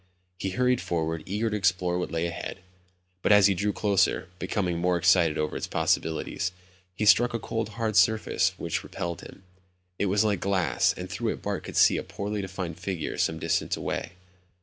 He hurried forward, eager to explore what lay ahead. But as he drew closer, becoming more excited over its possibilities, he struck a cold hard surface which repelled him. It was like glass and through it Bart could see a poorly defined figure some distance away.